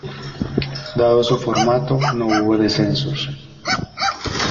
Dado su formato, no hubo descensos.